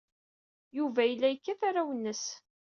Yuba yella yekkat arraw-nnes.